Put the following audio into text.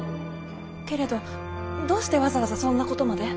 けれどどうしてわざわざそんなことまで？